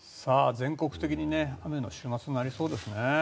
全国的に雨の週末になりそうですね。